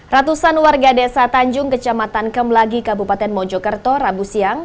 ratusan warga desa tanjung kecamatan kemlagi kabupaten mojokerto rabu siang